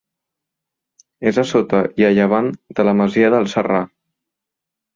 És a sota i a llevant de la masia del Serrà.